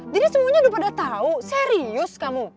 jadi semuanya udah pada tau serius kamu